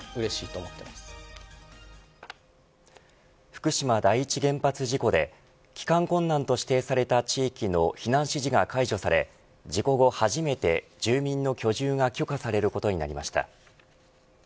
福島第一原発事故で帰還困難と指定された地域の避難指示が解除され事故後初めて、住民の居住が許可されることになりました。